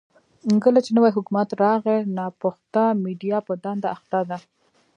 کله چې نوی حکومت راغلی، ناپخته میډيا په دنده اخته ده.